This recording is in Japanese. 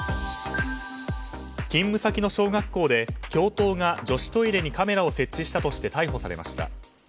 勤務先の小学校で教頭が女子トイレにカメラを設置したとして逮捕されました。